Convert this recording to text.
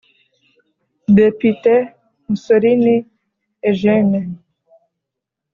Depite Mussolini Eugene